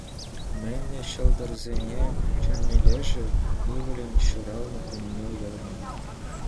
Мӗнле ҫӑлтӑрсене чӗнмелле-ши ывӑлӗн ҫуралнӑ кунне уявлама?